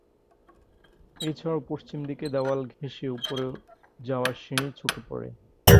এছাড়া পশ্চিম দিকে দেওয়াল ঘেঁষে উপরে যাওয়ার সিঁড়ি চোখে পড়ে।